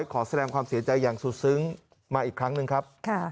ขอแสดงความเสียใจอย่างสุดซึ้งมาอีกครั้งหนึ่งครับ